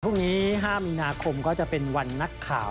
พรุ่งนี้๕มีนาคมก็จะเป็นวันนักข่าว